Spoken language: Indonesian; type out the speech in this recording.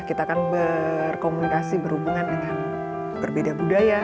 kita akan berkomunikasi berhubungan dengan berbeda budaya